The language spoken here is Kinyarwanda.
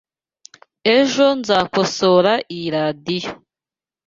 Ejo nzakosora iyi radio.